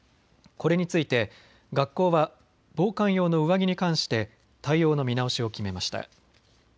これについて学校は防寒用の上着に関して対応の見直しを決めました。